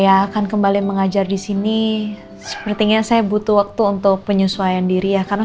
akan kembali mengajar disini sepertinya saya butuh waktu untuk penyesuaian diri ya karena